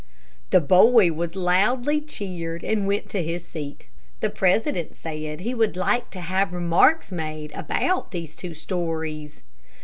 The boy was loudly cheered, and went to his seat. The president said he would like to have remarks made about these two stories.